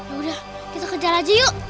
yaudah kita kejar aja yuk